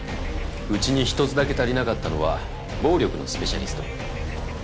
うちに一つだけ足りなかったのは暴力のスペシャリスト。